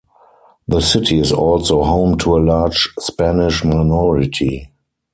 The city is also home to a large Spanish minority.